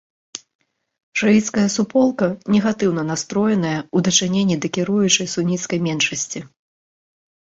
Шыіцкая суполка негатыўна настроеная ў дачыненні да кіруючай суніцкай меншасці.